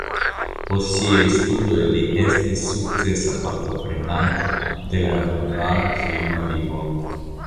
Post siaj studoj li estis sukcesa partoprenanto de la hungara filma vivo.